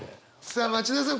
さあ町田さん